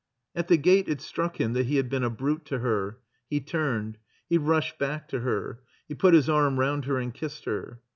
At the gate it struck him that he had been a brute to her. He turned. He rushed back to her. He put his arm round her and kissed her.